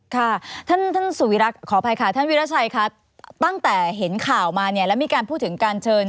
ค่ะท่านสุวิรักษ์ขออภัยค่ะท่านวิราชัยค่ะตั้งแต่เห็นข่าวมาเนี่ยแล้วมีการพูดถึงการเชิญ